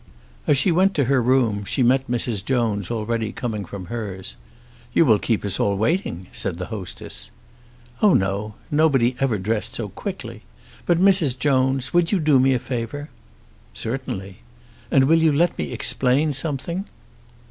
As she went to her room she met Mrs. Jones already coming from hers. "You will keep us all waiting," said the hostess. "Oh no; nobody ever dressed so quickly. But, Mrs. Jones, will you do me a favour?" "Certainly." "And will you let me explain something?"